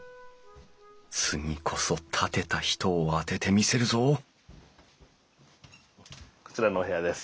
次こそ建てた人を当ててみせるぞこちらのお部屋です。